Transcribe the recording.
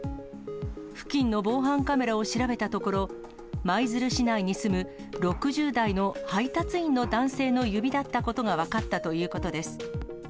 付近の防犯カメラを調べたところ、舞鶴市内に住む６０代の配達員の男性の指だったことが分かったということです。